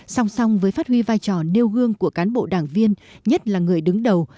song song với phát huy vai trò nêu gương của cán bộ đảng viên nhất là người đứng đầu